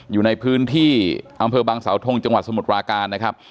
อยู่ในพื้นที่อำเภอบางสาวทงจังหวัดสมุดราการ